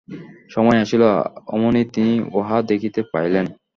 সময় আসিল, অমনি তিনি উহা দেখিতে পাইলেন।